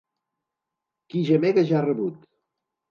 Qui gemega ja ha rebut!